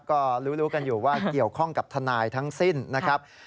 ก็รู้กันอยู่ว่าเกี่ยวข้องกับทนายทั้งสิ้นนะครับ